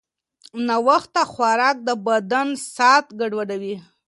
ناوخته خوراک د بدن ساعت ګډوډوي.